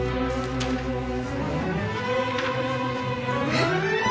えっ！